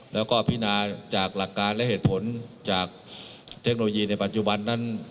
แล้วก็พินาจากหลักการและเหตุผลจากเทคโนโลยีในปัจจุบันนั้น